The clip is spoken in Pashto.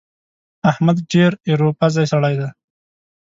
احمد ډېر ايرو پزی سړی دی.